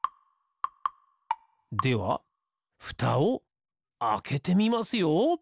ではふたをあけてみますよ！